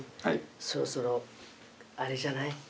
そろそろあれじゃない？